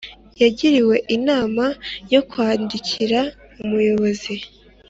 Yagiriwe inama yo kwandikira ubuyobozi